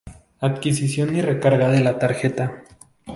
Adquisición y recarga de la tarjeta.